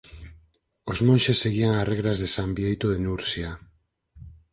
Os monxes seguían as regras de San Bieito de Nursia.